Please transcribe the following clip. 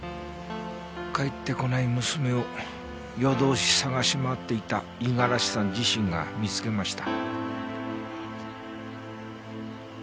帰ってこない娘を夜通し捜し回っていた五十嵐さん自身が見つけました。